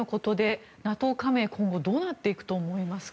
この度のことでＮＡＴＯ加盟は今後どうなっていくと思いますか。